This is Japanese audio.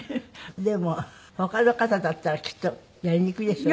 でも他の方だったらきっとやりにくいでしょうね。